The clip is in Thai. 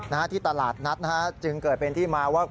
นะฮะที่ตลาดนัดนะฮะจึงเกิดเป็นที่มาว่า